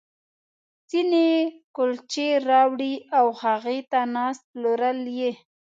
ځينې کُلچې راوړي او هغې ته ناست، پلورل یې.